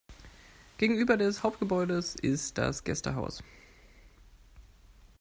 Gegenüber des Hauptgebäudes ist das Gästehaus.